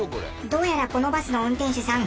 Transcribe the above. どうやらこのバスの運転手さん